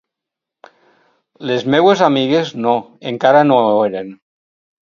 Les meues amigues, no, encara no ho eren...